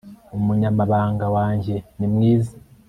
umunyamabanga wa njye ni mwiza